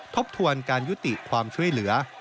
ทบทวนการยุติความช่วยเหลือ